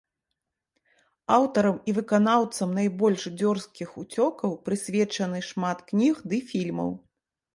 Аўтарам і выканаўцам найбольш дзёрзкіх уцёкаў прысвечана шмат кніг ды фільмаў.